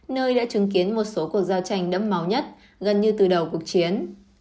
nơi đã chứng kiến một số cuộc giao tranh đẫm máu nhất gần như từ đầu cuộc chiến